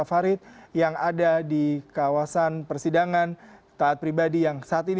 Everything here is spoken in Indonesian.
bagi saja saudara pertama wadik winda ya